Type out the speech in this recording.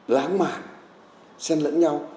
lãng mạn xen lẫn nhau